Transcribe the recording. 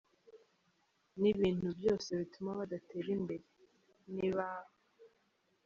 n’ibintu byose bituma badatera imbere. Ni ba